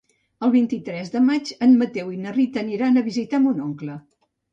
El vint-i-tres de maig en Mateu i na Rita aniran a visitar mon oncle.